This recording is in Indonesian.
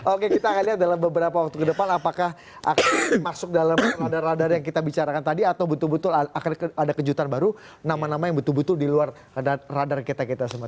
oke kita akan lihat dalam beberapa waktu ke depan apakah akan masuk dalam radar radar yang kita bicarakan tadi atau betul betul akan ada kejutan baru nama nama yang betul betul di luar radar kita kita semua